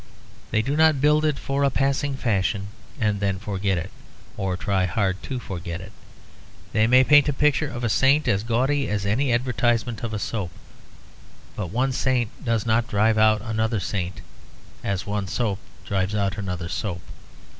They do not build it for a passing fashion and then forget it, or try hard to forget it. They may paint a picture of a saint as gaudy as any advertisement of a soap; but one saint does not drive out another saint as one soap drives out another soap.